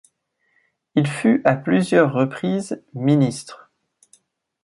Il fut à plusieurs reprises ministre.